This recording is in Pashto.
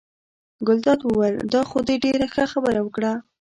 ګلداد وویل: دا خو دې ډېره ښه خبره وکړه.